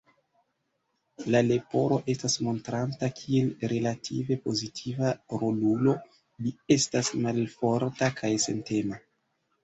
La Leporo estas montrata kiel relative pozitiva rolulo, li estas malforta kaj sentema.